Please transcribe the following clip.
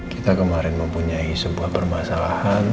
kita kemarin mempunyai sebuah permasalahan